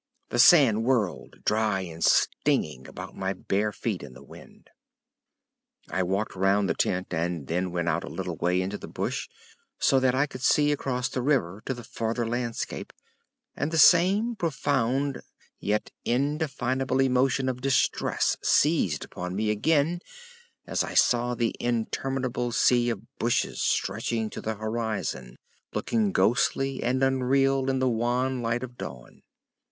The sand whirled, dry and stinging, about my bare feet in the wind. I walked round the tent and then went out a little way into the bush, so that I could see across the river to the farther landscape, and the same profound yet indefinable emotion of distress seized upon me again as I saw the interminable sea of bushes stretching to the horizon, looking ghostly and unreal in the wan light of dawn.